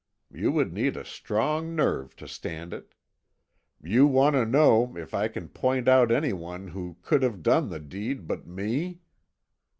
You would need a strong nerve to stand it. You want to know if I can point out anyone who could have done the deed but me?